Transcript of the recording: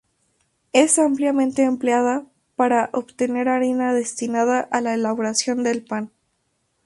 Es ampliamente empleada para obtener harina destinada a la elaboración de pan.